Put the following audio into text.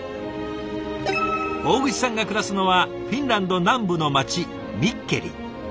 大串さんが暮らすのはフィンランド南部の街ミッケリ。